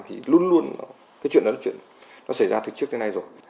thì luôn luôn cái chuyện đó nó xảy ra từ trước tới nay rồi